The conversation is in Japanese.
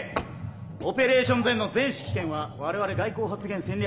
オペレーションＺＥＮの全指揮権は我々外交発言戦略